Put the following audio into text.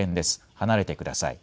離れてください。